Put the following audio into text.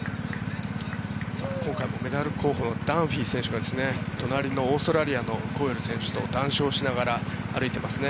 今回もメダル候補のダンフィー選手が隣のオーストラリアのカウリー選手と談笑しながら歩いていますね。